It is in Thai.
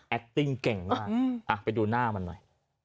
แอคติ้งเก่งมากอืมอ่ะไปดูหน้ามันหน่อย